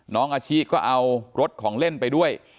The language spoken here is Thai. น้องอาชิก็เอารถของเล่นไปด้วย